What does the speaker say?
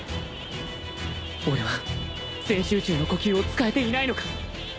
俺は全集中の呼吸を使えていないのか！？